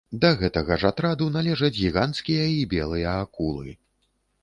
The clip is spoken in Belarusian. Да гэтага ж атраду належаць гіганцкія і белыя акулы.